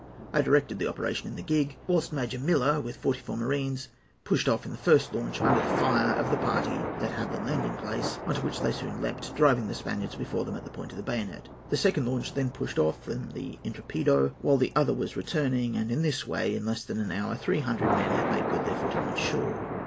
I directed the operation in the gig, whilst Major Miller, with forty four marines, pushed off in the first launch, under the fire of the party at the landing place, on to which they soon leaped, driving the Spaniards before them at the point of the bayonet. The second launch then pushed off from the Intrepido, while the other was returning; and in this way, in less than an hour, three hundred men had made good their footing on shore.